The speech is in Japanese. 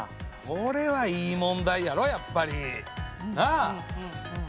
これはいい問題やろやっぱり。なあ！